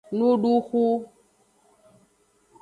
Nuduxu.